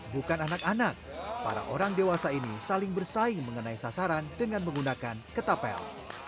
bukan anak anak para orang dewasa ini saling bersaing mengenai sasaran dengan menggunakan ketapel